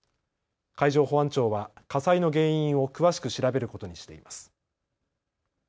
海上保安庁は火災の原因を詳しく調べることにしています。